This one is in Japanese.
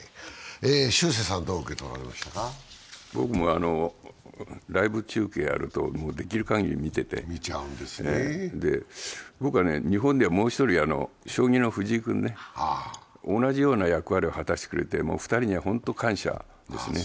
僕もライブ中継やると、できるかぎり見てて、僕は日本で、もう一人、将棋の藤井君ね、同じような役割を果たしてくれて２人は本当、感謝ですね。